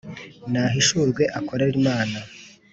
Nahishurwe akorere Imana